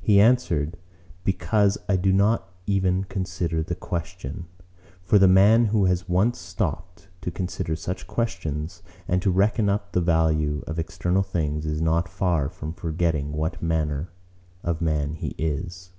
he answered, 'Because I do not even consider the question.' For the man who has once stooped to consider such questions, and to reckon up the value of external things, is not far from forgetting what manner of man he is.